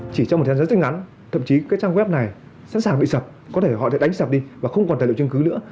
chỉ trong một thời gian rất ngắn thậm chí các trang web này sẵn sàng bị sập có thể họ sẽ đánh sập đi và không còn tài liệu chứng cứ nữa